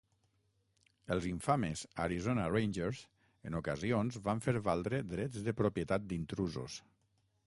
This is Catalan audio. Els infames Arizona Rangers en ocasions van fer valdre drets de propietat d'intrusos.